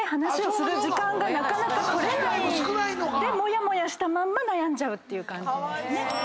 でモヤモヤしたまんま悩んじゃうっていう感じですね。